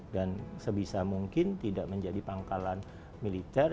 dan sebisa mungkin tidak menjadi pangkalan militer